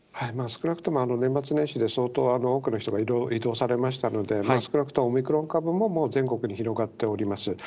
少なくとも年末年始で相当多くの人が移動されましたので、少なくともオミクロン株ももう全国に広がっております。